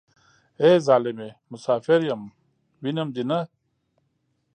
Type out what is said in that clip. ای ظالمې مسافر يم وينم دې نه.